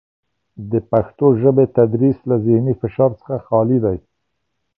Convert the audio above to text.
د پښتو ژبې تدریس له زهني فشار څخه خالي دی.